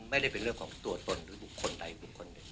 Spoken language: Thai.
ไม่ได้เป็นเรื่องของตัวตนหรือบุคคลใดบุคคลหนึ่ง